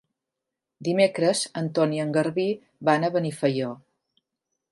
Dimecres en Ton i en Garbí van a Benifaió.